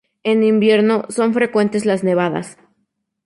En invierno, son frecuentes las nevadas.